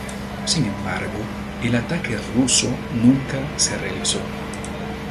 Sin embargo, el ataque ruso nunca se realizó.